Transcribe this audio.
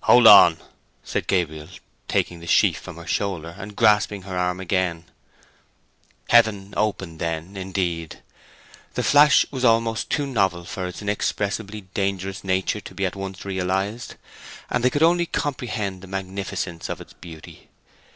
"Hold on!" said Gabriel, taking the sheaf from her shoulder, and grasping her arm again. Heaven opened then, indeed. The flash was almost too novel for its inexpressibly dangerous nature to be at once realized, and they could only comprehend the magnificence of its beauty.